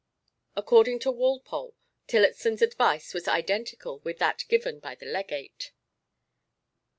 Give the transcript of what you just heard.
According to Walpole, Tillotson's advice was identical with that given by the Legate.